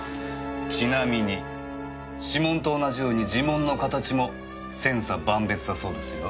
ちなみに指紋と同じように耳紋の形も千差万別だそうですよ。